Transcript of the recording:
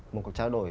một cuộc trao đổi